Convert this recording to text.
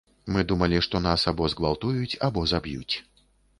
Мы думалі, што нас або згвалтуюць або заб'юць.